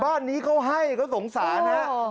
บ้านนี้เขาให้เขาสงสารฮะ